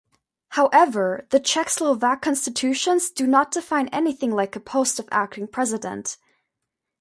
However, the Czechoslovak Constitutions do not define anything like a post of acting president.